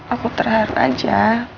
aku terharu aja